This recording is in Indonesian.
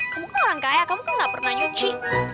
kamu kan orang kaya kamu kan gak pernah nyuci